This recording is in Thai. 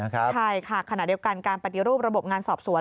ใช่ค่ะขณะเดียวกันการปฏิรูประบบงานสอบสวน